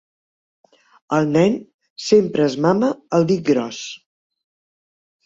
El nen sempre es mama el dit gros.